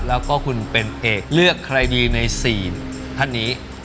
แล้วก็คุณเป็นเอกเลือกใครดีใน๔ท่านนี้